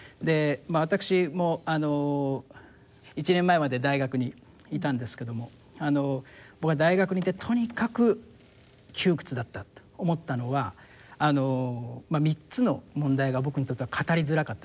私も１年前まで大学にいたんですけども僕は大学にいてとにかく窮屈だったって思ったのは３つの問題が僕にとっては語りづらかったです。